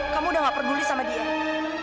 kamu udah nggak perguli sama dia